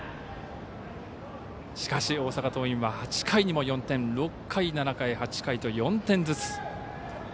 しかし、大阪桐蔭は８回にも４点６回、７回、８回と４点ずつ。